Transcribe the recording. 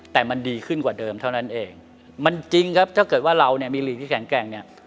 แต่มันดีขึ้นกว่าเดิมเท่านั้นเองมันจริงครับถ้าเกิดว่าเราเนี่ยมีหลีกที่แข็งแกร่งเนี่ย